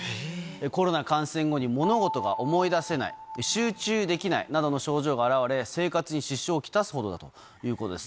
コロナ感染後に、物事が思い出せない、集中できないなどの症状が現れ、生活に支障を来すほどだということです。